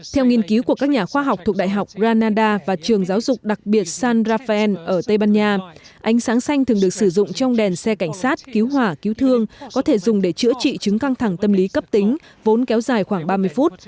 theo nghiên cứu của các nhà khoa học thuộc đại học ranada và trường giáo dục đặc biệt san rafael ở tây ban nha ánh sáng xanh thường được sử dụng trong đèn xe cảnh sát cứu hỏa cứu thương có thể dùng để chữa trị chứng căng thẳng tâm lý cấp tính vốn kéo dài khoảng ba mươi phút